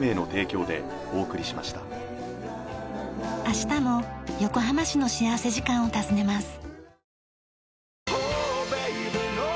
明日も横浜市の幸福時間を訪ねます。